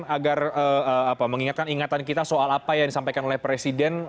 agar mengingatkan ingatan kita soal apa yang disampaikan oleh presiden